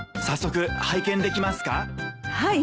はい。